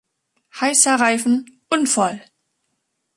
Heißer Reifen: Unfall!